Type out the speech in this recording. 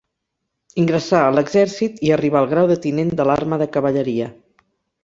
Ingressà a l'exèrcit i arribà al grau de tinent de l'arma de cavalleria.